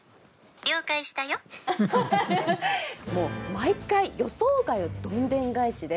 毎回、予想外のどんでん返しで。